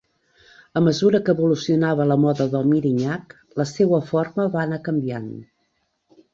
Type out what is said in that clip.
A mesura que evolucionava la moda del mirinyac, la seua forma va anar canviant.